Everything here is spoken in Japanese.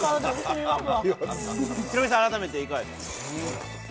ヒロミさん、改めていかがですか？